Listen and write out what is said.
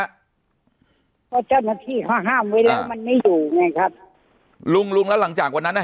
เพราะเจ้าหน้าที่เขาห้ามไว้แล้วมันไม่อยู่ไงครับลุงลุงแล้วหลังจากวันนั้นอ่ะ